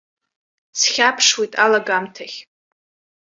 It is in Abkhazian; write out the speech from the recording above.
Схьаԥшуеит алагамҭахь.